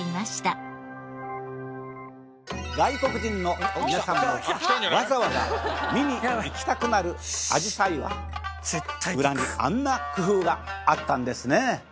外国人の皆さんもわざわざ見に行きたくなるあじさいは裏にあんな工夫があったんですね。